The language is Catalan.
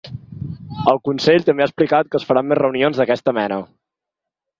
El consell també ha explicat que es faran més reunions d’aquesta mena.